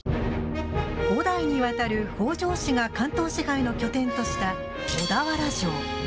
５代にわたる北条氏が関東支配の拠点とした小田原城。